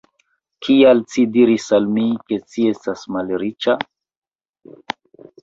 Kial ci diris al mi, ke ci estas malriĉa?